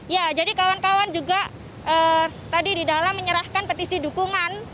ya jadi kawan kawan juga tadi di dalam menyerahkan petisi dukungan